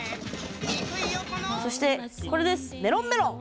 そしてこれです「メロンメロン」！